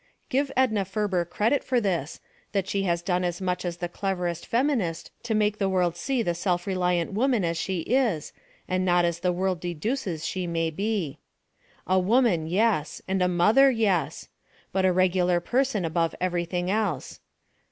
Give Edna Ferber credit 296 THE WOMEN WHO MAKE OUR NOVELS for this, that she has done as much as the cleverest feminist to make the world see the self reliant woman as she is, and not as the world deduces she may be. A woman, yes, and a mother, yes! But a regular person above everything else.